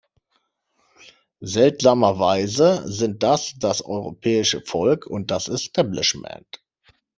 Seltsamerweise sind das das europäische Volk und das Establishment.